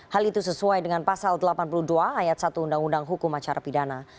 hal itu sesuai dengan pasal delapan puluh dua ayat satu undang undang hukum acara pidana